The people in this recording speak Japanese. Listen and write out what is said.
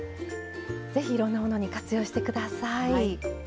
ぜひ、いろんなものに活用してください。